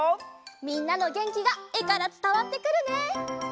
みんなのげんきがえからつたわってくるね！